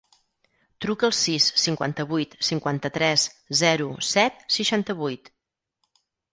Truca al sis, cinquanta-vuit, cinquanta-tres, zero, set, seixanta-vuit.